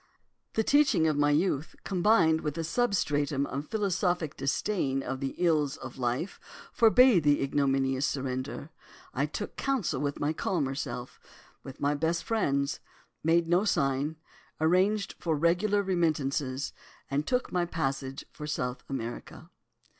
The teaching of my youth, combined with a substratum of philosophic disdain of the ills of life, forbade the ignominious surrender. I took counsel with my calmer self, with my best friends, made no sign, arranged for regular remittances, and took my passage for South America.